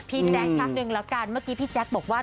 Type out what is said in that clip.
พี่แจ๊กทั้งหนึ่งแล้วกันเมื่อกี้พี่แจ๊กบอกว่า